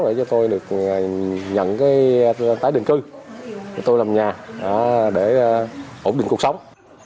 để cho tôi được nhận tái định cư để tôi làm nhà để ổn định cuộc sống